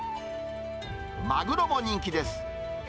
マグロも人気です。